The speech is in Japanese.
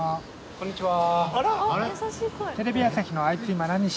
こんにちは。